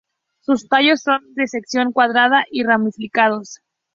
Sus tallos son de sección cuadrada y ramificados.